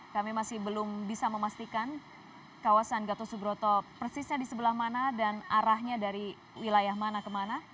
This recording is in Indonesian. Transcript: kami masih belum bisa memastikan kawasan gatot subroto persisnya di sebelah mana dan arahnya dari wilayah mana kemana